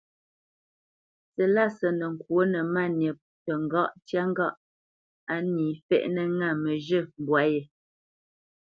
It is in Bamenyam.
Silásə nə́ ŋkwǒ nə́ Máni tə ŋgáʼ ntyá ŋgâʼ á nǐ fɛ́ʼnə̄ ŋâ məzhə̂ mbwǎ yé.